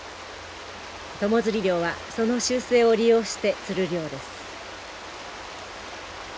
友釣り漁はその習性を利用して釣る漁です。